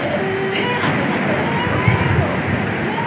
へぇー！なんて思ってそれ入れるの？みたいな。